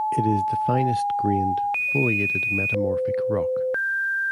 It is the finest grained foliated metamorphic rock.